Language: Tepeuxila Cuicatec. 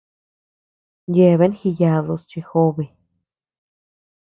Yeabean jiyadus chi jobe.